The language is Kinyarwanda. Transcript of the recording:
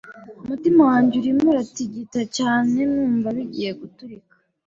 Umutima wanjye urimo uratigita cyane numva bigiye guturika.